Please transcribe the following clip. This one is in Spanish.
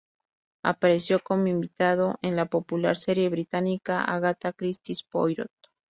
Apareció como invitado en la popular serie británica Agatha Christie's Poirot.